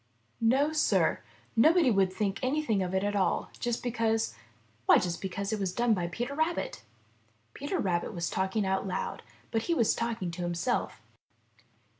No, Sir, nobody would think anything of it at all just because — why just because it was done by Peter Rabbit." Peter was talking out loud, but he was talking to himself.